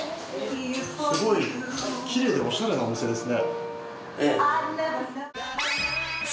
すごいきれいでおしゃれなお店ですね。